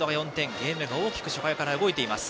ゲームが大きく初回から動いています。